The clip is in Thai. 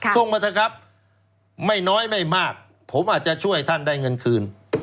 ส่งมาเถอะครับไม่น้อยไม่มากผมอาจจะช่วยท่านได้เงินคืน